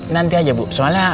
nanti aja bu soalnya